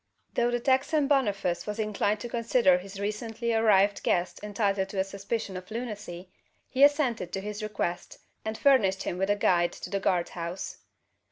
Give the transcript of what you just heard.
Though the "Texan" Boniface was inclined to consider his recently arrived guest entitled to a suspicion of lunacy, he assented to his request; and furnished him with a guide to the guard house.